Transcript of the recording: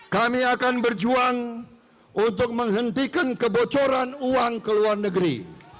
kami akan berjuang untuk menghentikan kebocoran uang ke luar negeri